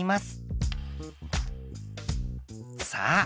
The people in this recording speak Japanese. さあ